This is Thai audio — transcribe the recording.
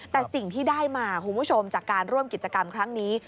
แต่สิ่งที่ได้มาคุณผู้ชมจากการร่วมกิจกรรมครั้งนี้